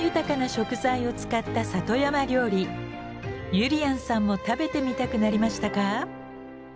ゆりやんさんも食べてみたくなりましたか？